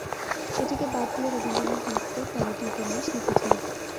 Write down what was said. এটিকে বাদ দিয়ে রবীন্দ্রনাথ মোট তেরোটি উপন্যাস লিখেছেন।